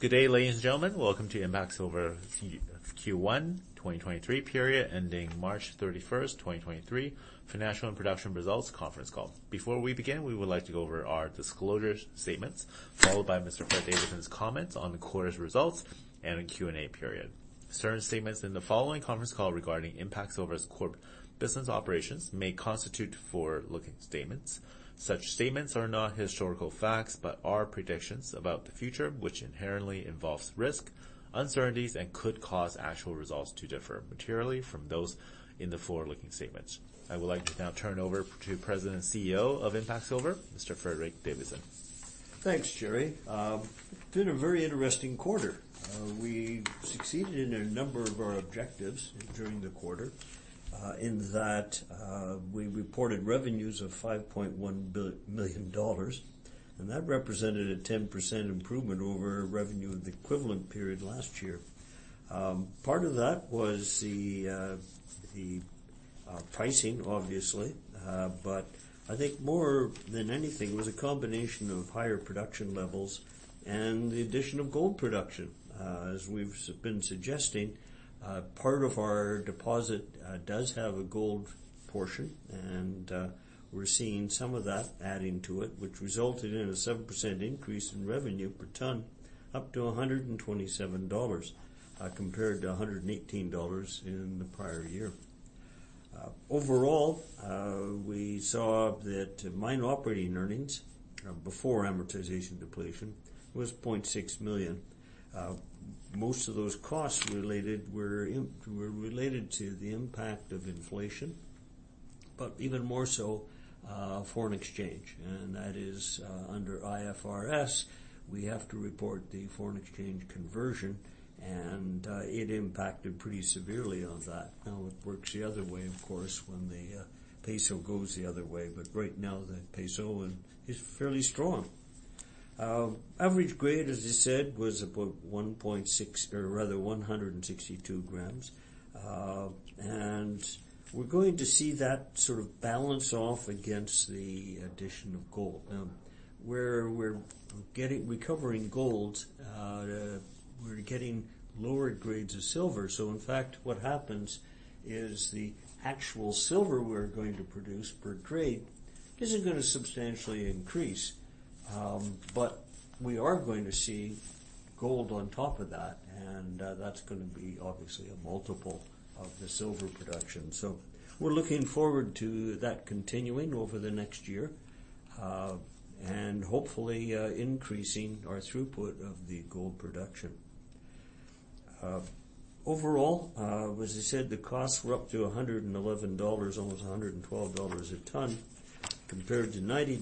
Good day, ladies and gentlemen. Welcome to IMPACT Silver Q-Q1 2023 period ending March thirty-first, 2023 financial and production results conference call. Before we begin, we would like to go over our disclosure statements, followed by Mr. Fred Davidson's comments on the quarter's results and a Q&A period. Certain statements in the following conference call regarding IMPACT Silver Corp.'s business operations may constitute forward-looking statements. Such statements are not historical facts, but are predictions about the future, which inherently involves risk, uncertainties, and could cause actual results to differ materially from those in the forward-looking statements. I would like to now turn over to President and CEO of IMPACT Silver, Mr. Frederick Davidson. Thanks, Jerry. It's been a very interesting quarter. We succeeded in a number of our objectives during the quarter, in that, we reported revenues of $5.1 million, and that represented a 10% improvement over revenue in the equivalent period last year. Part of that was the pricing obviously, but I think more than anything was a combination of higher production levels and the addition of gold production. As we've been suggesting, part of our deposit, does have a gold portion, and, we're seeing some of that adding to it, which resulted in a 7% increase in revenue per ton up to $127, compared to $118 in the prior year. Overall, we saw that mine operating earnings before amortization depletion was $0.6 million. Most of those costs were related to the impact of inflation, but even more so, foreign exchange, and that is, under IFRS, we have to report the foreign exchange conversion and it impacted pretty severely on that. Now it works the other way, of course, when the MXN peso goes the other way, but right now the MXN peso is fairly strong. Average grade, as I said, was about 1.6 or rather 162 grams. We're going to see that sort of balance off against the addition of gold. Now where we're recovering gold, we're getting lower grades of silver. In fact, what happens is the actual silver we're going to produce per grade isn't gonna substantially increase. We are going to see gold on top of that's gonna be obviously a multiple of the silver production. We're looking forward to that continuing over the next year, and hopefully, increasing our throughput of the gold production. Overall, as I said, the costs were up to $111, almost $112 a ton compared to $90.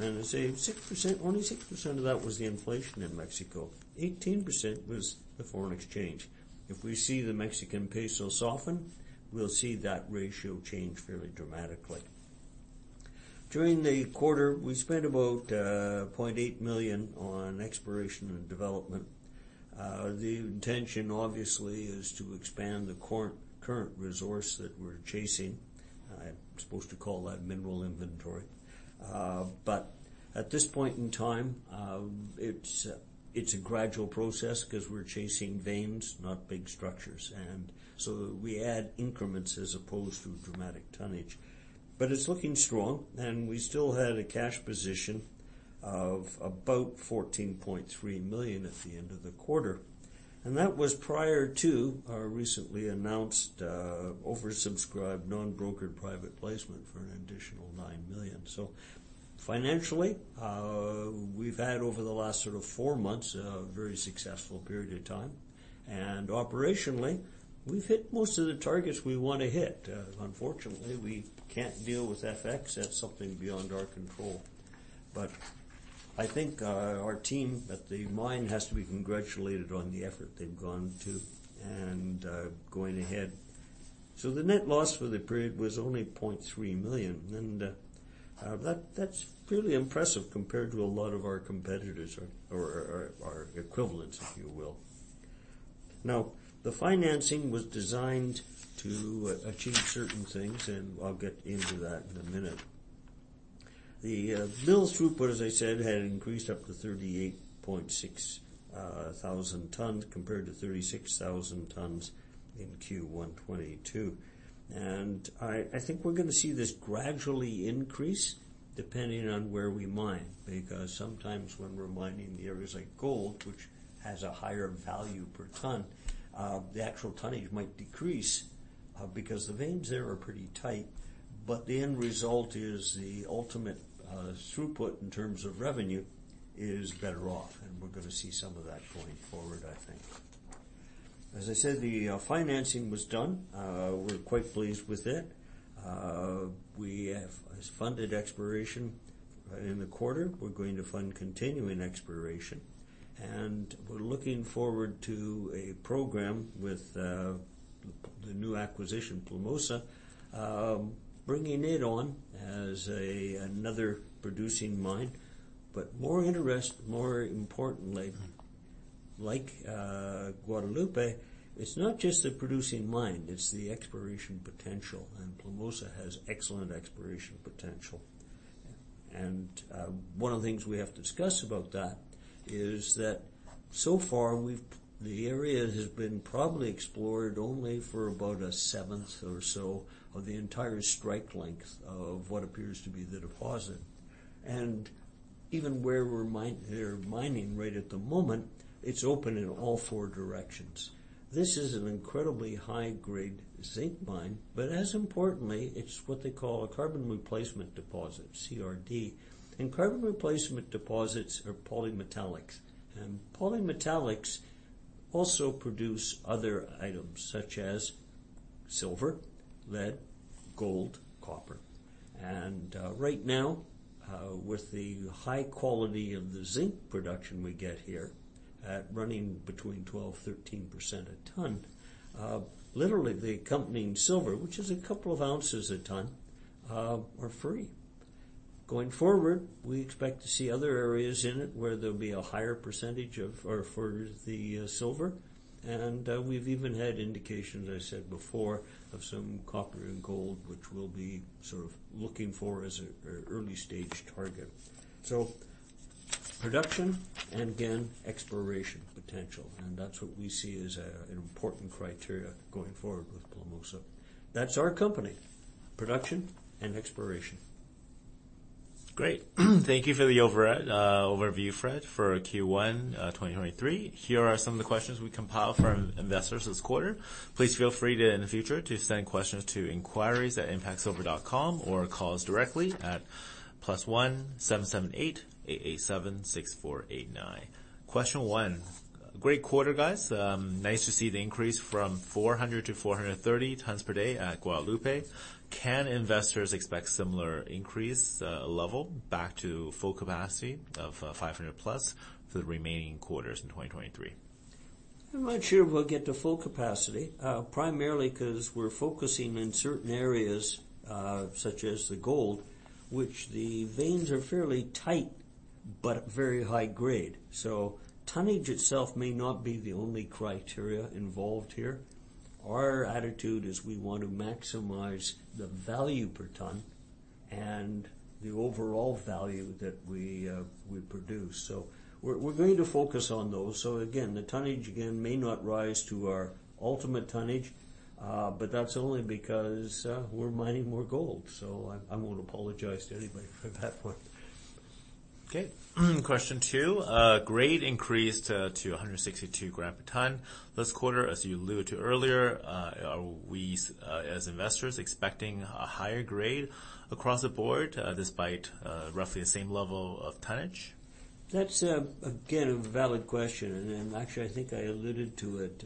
I say 6%, only 6% of that was the inflation in Mexico. 18% was the foreign exchange. If we see the Mexican peso soften, we'll see that ratio change fairly dramatically. During the quarter, we spent about $0.8 million on exploration and development. The intention obviously is to expand the current resource that we're chasing. I'm supposed to call that mineral inventory. At this point in time, it's a gradual process 'cause we're chasing veins, not big structures. We add increments as opposed to dramatic tonnage. It's looking strong, and we still had a cash position of about $14.3 million at the end of the quarter. That was prior to our recently announced, oversubscribed non-brokered private placement for an additional $9 million. Financially, we've had over the last sort of four months a very successful period of time, and operationally we've hit most of the targets we wanna hit. Unfortunately, we can't deal with FX. That's something beyond our control. I think our team at the mine has to be congratulated on the effort they've gone to and going ahead. The net loss for the period was only $0.3 million and that's fairly impressive compared to a lot of our competitors or our equivalents, if you will. The financing was designed to achieve certain things, and I'll get into that in a minute. The mill's throughput, as I said, had increased up to 38.6 thousand tons compared to 36,000 tons in Q1 2022. I think we're gonna see this gradually increase depending on where we mine, because sometimes when we're mining the areas like gold, which has a higher value per ton, the actual tonnage might decrease because the veins there are pretty tight. The end result is the ultimate throughput in terms of revenue is better off, we're going to see some of that going forward, I think. As I said, the financing was done. We're quite pleased with it. We have funded exploration in the quarter. We're going to fund continuing exploration, we're looking forward to a program with the new acquisition, Plomosas, bringing it on as another producing mine. More importantly, like Guadalupe, it's not just a producing mine, it's the exploration potential, Plomosas has excellent exploration potential. One of the things we have to discuss about that is that so far the area has been probably explored only for about a seventh or so of the entire strike length of what appears to be the deposit. Even where they're mining right at the moment, it's open in all four directions. This is an incredibly high-grade zinc mine, but as importantly, it's what they call a Carbonate Replacement Deposit, CRD. Carbonate Replacement Deposits are polymetallics. Polymetallics also produce other items such as silver, lead, gold, copper. Right now, with the high quality of the zinc production we get here at running between 12%-13% a ton, literally the accompanying silver, which is a couple of ounces a ton, are free. Going forward, we expect to see other areas in it where there'll be a higher percentage for the silver, and we've even had indications, I said before, of some copper and gold, which we'll be sort of looking for as an early stage target. Production and again, exploration potential, and that's what we see as an important criteria going forward with Plomosas. That's our company, production and exploration. Great. Thank you for the overview, Fred, for Q1 2023. Here are some of the questions we compiled from investors this quarter. Please feel free to, in the future, to send questions to inquiries@impactsilver.com or call us directly at +1-778-887-6489. Question 1: Great quarter, guys. Nice to see the increase from 400 to 430 tons per day at Guadalupe. Can investors expect similar increase level back to full capacity of 500+ for the remaining quarters in 2023? I'm not sure we'll get to full capacity, primarily 'cause we're focusing in certain areas, such as the gold, which the veins are fairly tight but very high grade. Tonnage itself may not be the only criteria involved here. Our attitude is we want to maximize the value per ton and the overall value that we produce. We're going to focus on those. Again, the tonnage again may not rise to our ultimate tonnage, but that's only because we're mining more gold, so I won't apologize to anybody for that one. Okay. Question two: grade increased to 162 gram per ton this quarter, as you alluded to earlier. Are we as investors expecting a higher grade across the board, despite roughly the same level of tonnage? That's, again, a valid question. Actually I think I alluded to it.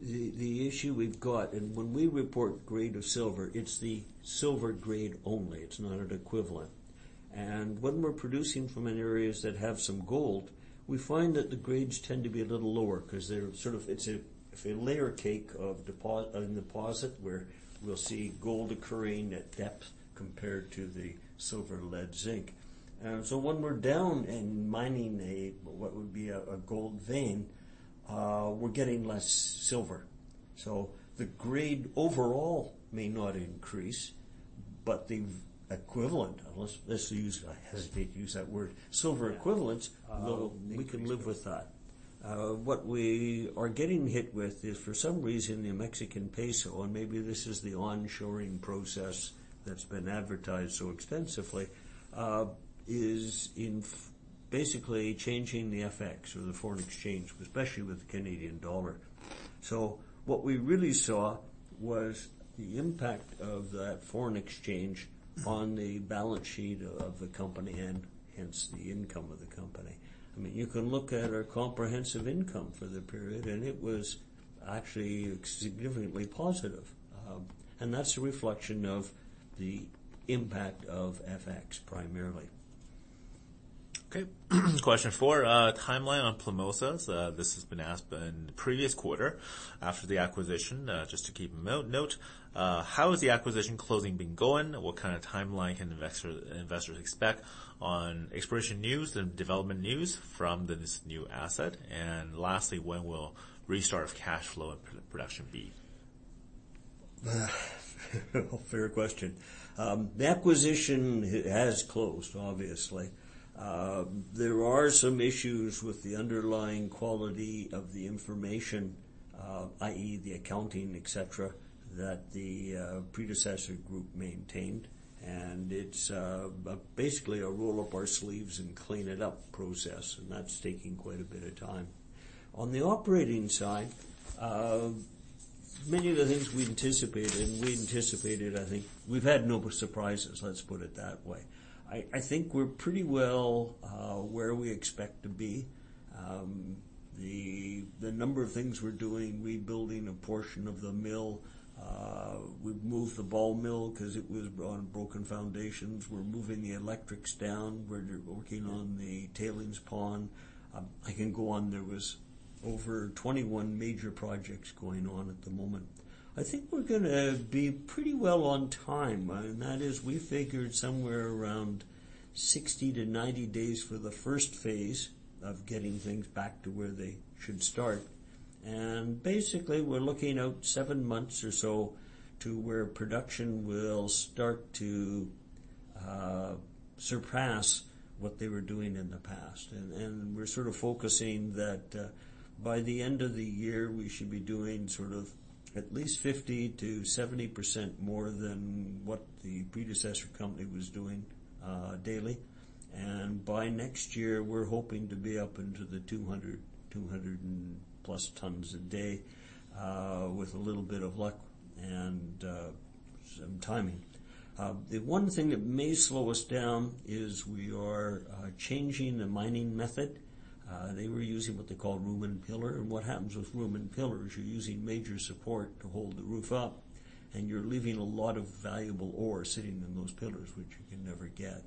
The issue we've got, when we report grade of silver, it's the silver grade only. It's not an equivalent. When we're producing from an areas that have some gold, we find that the grades tend to be a little lower 'cause it's a, it's a layer cake of a deposit where we'll see gold occurring at depth compared to the silver lead zinc. When we're down and mining a, what would be a gold vein, we're getting less silver. The grade overall may not increase, but the equivalent, unless let's use, I hesitate to use that word, silver equivalents. Yeah. We can live with that. What we are getting hit with is for some reason, the Mexican peso, and maybe this is the onshoring process that's been advertised so extensively, basically changing the FX or the foreign exchange, especially with the Canadian dollar. What we really saw was the impact of that foreign exchange on the balance sheet of the company and hence the income of the company. I mean, you can look at our comprehensive income for the period, and it was actually significantly positive. That's a reflection of the impact of FX primarily. Okay. Question four: timeline on Plomosas. This has been asked in the previous quarter after the acquisition, just to keep a note. How has the acquisition closing been going? What kind of timeline can investors expect on exploration news and development news from this new asset? Lastly, when will restart of cash flow and pro-production be? Fair question. The acquisition has closed obviously. There are some issues with the underlying quality of the information, i.e., the accounting, et cetera, that the predecessor group maintained, and it's a basically a roll up our sleeves and clean it up process, and that's taking quite a bit of time. On the operating side, many of the things we anticipated, I think we've had no surprises, let's put it that way. I think we're pretty well where we expect to be. The number of things we're doing, rebuilding a portion of the mill, we've moved the ball mill 'cause it was on broken foundations. We're moving the electrics down. We're working on the tailings pond. I can go on. There was over 21 major projects going on at the moment. I think we're gonna be pretty well on time. That is we figured somewhere around 60-90 days for the first phase of getting things back to where they should start. Basically, we're looking out 7 months or so to where production will start to surpass what they were doing in the past. We're sort of focusing that by the end of the year, we should be doing sort of at least 50%-70% more than what the predecessor company was doing daily. By next year, we're hoping to be up into the 200-200+ tons a day with a little bit of luck and some timing. The one thing that may slow us down is we are changing the mining method. They were using what they call room and pillar. What happens with room and pillar is you're using major support to hold the roof up, and you're leaving a lot of valuable ore sitting in those pillars, which you can never get.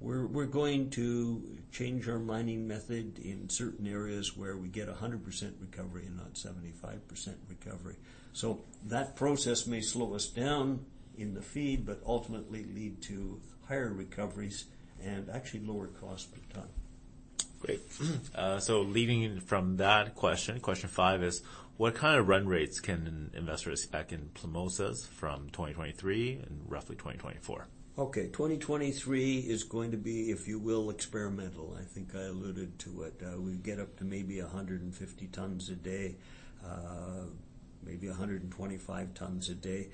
We're going to change our mining method in certain areas where we get 100% recovery and not 75% recovery. That process may slow us down in the feed, but ultimately lead to higher recoveries and actually lower cost per ton. Great. leading from that question five is: What kind of run rates can investors expect in Plomosas from 2023 and roughly 2024? 2023 is going to be, if you will, experimental. I think I alluded to it. We get up to maybe 150 tons a day, maybe 125 tons a day.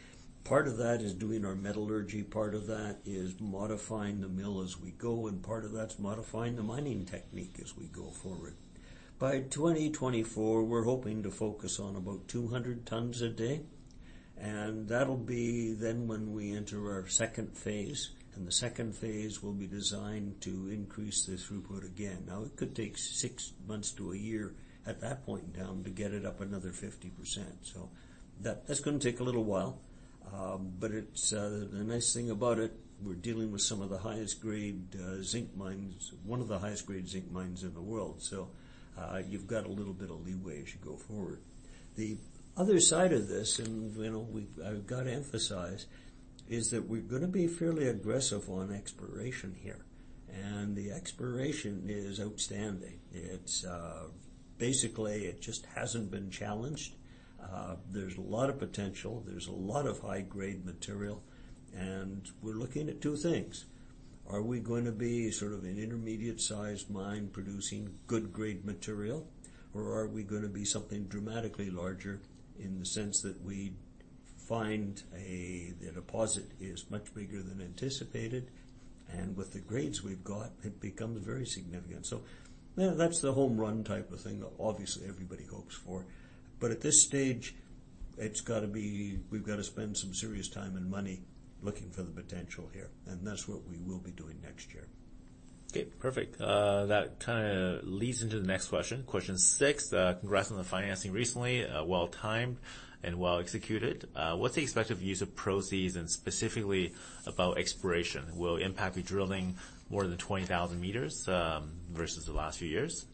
Part of that is doing our metallurgy, part of that is modifying the mill as we go, and part of that's modifying the mining technique as we go forward. By 2024, we're hoping to focus on about 200 tons a day, and that'll be then when we enter our second phase, and the second phase will be designed to increase this throughput again. It could take 6 months to a year at that point in time to get it up another 50%. That's gonna take a little while. It's the nice thing about it, we're dealing with some of the highest grade zinc mines, one of the highest grade zinc mines in the world. You've got a little bit of leeway as you go forward. The other side of this, and, you know, I've got to emphasize, is that we're gonna be fairly aggressive on exploration here. The exploration is outstanding. It's basically, it just hasn't been challenged. There's a lot of potential. There's a lot of high-grade material. We're looking at two things. Are we gonna be sort of an intermediate-sized mine producing good grade material, or are we gonna be something dramatically larger in the sense that we find the deposit is much bigger than anticipated. With the grades we've got, it becomes very significant. Yeah, that's the home run type of thing that obviously everybody hopes for. At this stage, it's gotta be we've got to spend some serious time and money looking for the potential here, and that's what we will be doing next year. Perfect. That kinda leads into the next question. Question six, congrats on the financing recently, well timed and well executed. What's the expected use of proceeds and specifically about exploration? Will IMPACT be drilling more than 20,000 meters versus the last few years?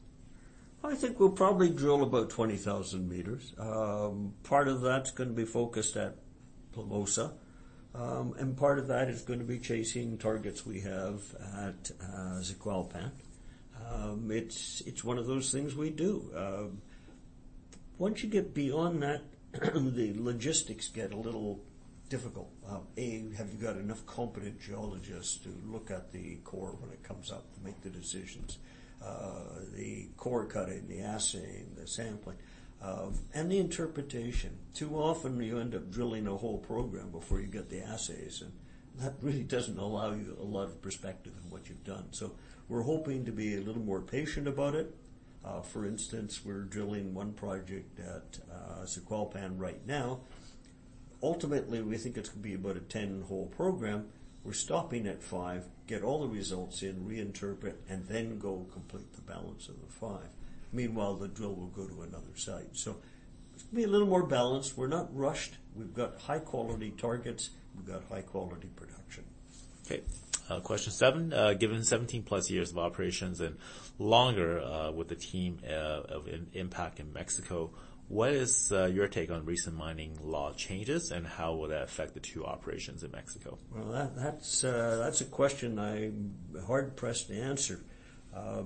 I think we'll probably drill about 20,000 meters. Part of that's gonna be focused at Plomosas. Part of that is gonna be chasing targets we have at Zacualpan. It's, it's one of those things we do. Once you get beyond that, the logistics get a little difficult. A, have you got enough competent geologists to look at the core when it comes up to make the decisions, the core cutting, the assaying, the sampling, and the interpretation. Too often, you end up drilling a whole program before you get the assays, and that really doesn't allow you a lot of perspective on what you've done. We're hoping to be a little more patient about it. For instance, we're drilling one project at Zacualpan right now. Ultimately, we think it's gonna be about a 10-hole program. We're stopping at five, get all the results in, reinterpret, and then go complete the balance of the five. Meanwhile, the drill will go to another site. It's gonna be a little more balanced. We're not rushed. We've got high-quality targets. We've got high-quality production. Okay. Question seven, given 17 plus years of operations and longer, with the team, of IMPACT Silver in Mexico, what is your take on recent mining law changes, and how will that affect the two operations in Mexico? Well, that's a question I'm hard-pressed to answer.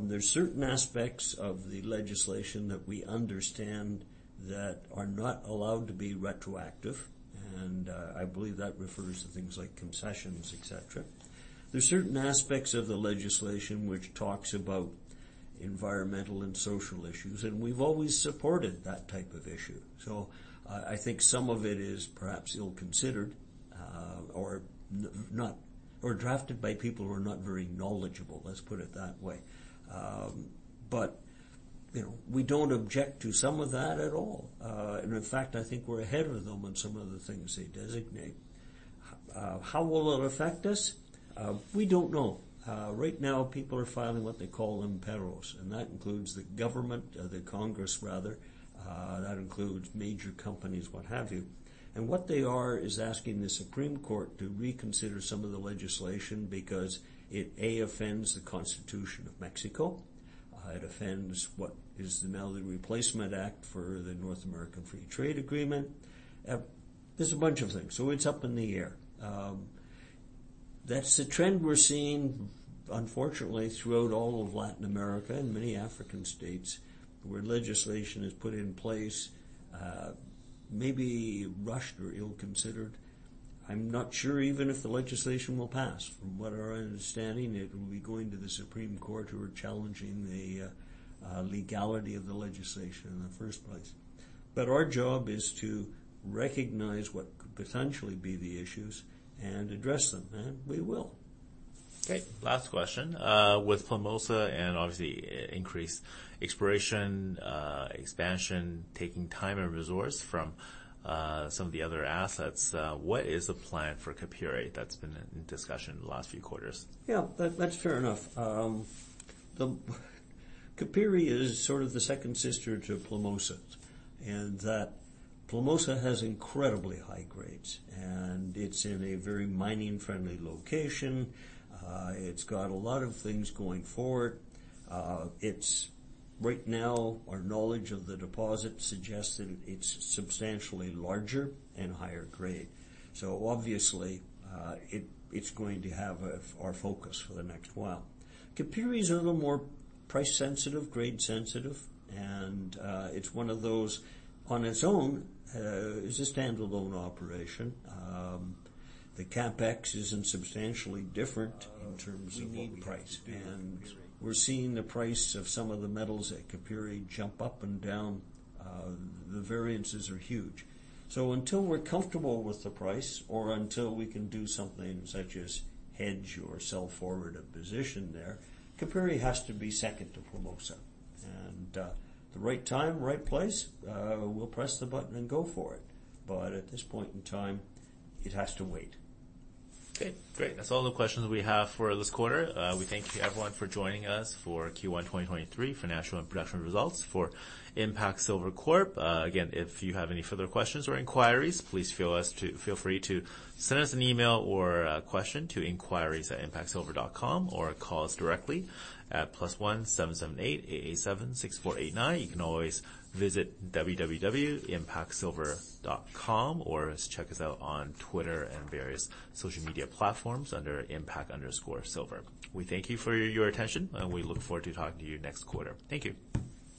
There's certain aspects of the legislation that we understand that are not allowed to be retroactive, and I believe that refers to things like concessions, et cetera. There's certain aspects of the legislation which talks about environmental and social issues, and we've always supported that type of issue. I think some of it is perhaps ill-considered, or not or drafted by people who are not very knowledgeable, let's put it that way. You know, we don't object to some of that at all. In fact, I think we're ahead of them on some of the things they designate. How will it affect us? We don't know. Right now, people are filing what they call amparos, and that includes the government, the Congress rather, that includes major companies, what have you. What they are is asking the Supreme Court to reconsider some of the legislation because it, A, offends the Constitution of Mexico. It offends what is now the replacement act for the North American Free Trade Agreement. There's a bunch of things, so it's up in the air. That's the trend we're seeing, unfortunately, throughout all of Latin America and many African states where legislation is put in place, maybe rushed or ill-considered. I'm not sure even if the legislation will pass. From what our understanding, it will be going to the Supreme Court who are challenging the legality of the legislation in the first place. Our job is to recognize what could potentially be the issues and address them, and we will. Okay, last question. With Plomosas and obviously increased exploration, expansion, taking time and resource from, some of the other assets, what is the plan for Capire that's been in discussion the last few quarters? Yeah, that's fair enough. Capire is sort of the second sister to Plomosas, That Plomosas has incredibly high grades, and it's in a very mining-friendly location. It's got a lot of things going for it. It's... Right now, our knowledge of the deposit suggests that it's substantially larger and higher grade. Obviously, it's going to have our focus for the next while. Capire is a little more price sensitive, grade sensitive, and it's one of those on its own, is a standalone operation. The CapEx isn't substantially different in terms of what we pay. We're seeing the price of some of the metals at Capire jump up and down. The variances are huge. Until we're comfortable with the price or until we can do something such as hedge or sell forward a position there, Capire has to be second to Plomosas. The right time, right place, we'll press the button and go for it. At this point in time, it has to wait. Okay, great. That's all the questions we have for this quarter. We thank everyone for joining us for Q1 2023 financial and production results for IMPACT Silver Corp. Again, if you have any further questions or inquiries, please feel free to send us an email or a question to inquiries@impactsilver.com or call us directly at +17788876489. You can always visit www.impactsilver.com or check us out on Twitter and various social media platforms under Impact_Silver. We thank you for your attention. We look forward to talking to you next quarter. Thank you.